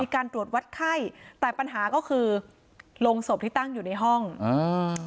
การตรวจวัดไข้แต่ปัญหาก็คือโรงศพที่ตั้งอยู่ในห้องอ่า